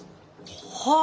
はあ！